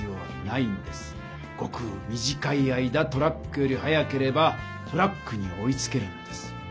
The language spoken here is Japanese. ごく短い間トラックより速ければトラックに追いつけるんです。